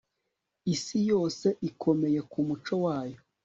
Isi yose ikomeye ku muco wayo